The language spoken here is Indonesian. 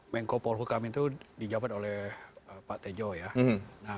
menkopol hukum itu dijawab oleh pak tejo ya